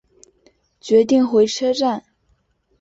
决定回车站